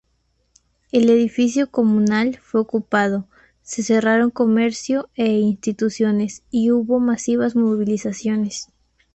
El edificio comunal fue ocupado, se cerraron comercio e instituciones y hubo masivas movilizaciones.